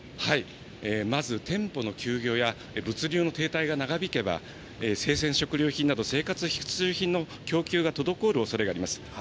まず店舗の休業や物流の停滞が長引けば、生鮮食料品など、生活必需品の供給が滞るおそれがあります。